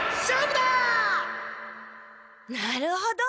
なるほど。